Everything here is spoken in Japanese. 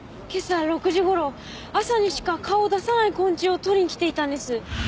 今朝６時頃朝にしか顔を出さない昆虫を捕りに来ていたんです。